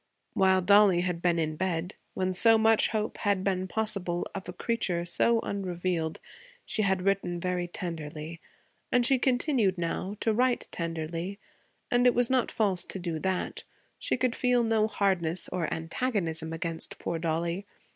While Dollie had been in bed, when so much hope had been possible of a creature so unrevealed, she had written very tenderly, and she continued, now, to write tenderly, and it was not false to do that; she could feel no hardness or antagonism against poor Dollie.